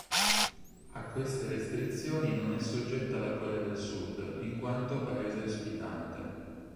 A queste restrizioni non è soggetta la Corea del Sud, in quanto paese ospitante.